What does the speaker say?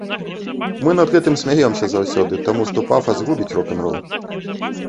Мы над гэтым смяёмся заўсёды, таму што пафас губіць рок-н-рол.